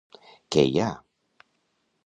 Què hi ha...?